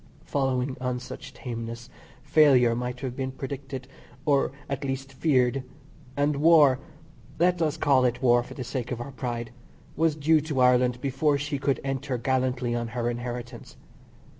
Following on such tameness, failure might have been predicted, or, at least feared, and war (let us call it war for the sake of our pride) was due to Ireland before she could enter gallantly on her inheritance.